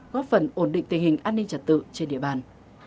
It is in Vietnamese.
góp phần ổn định tình hình an ninh trật tự trên địa bàn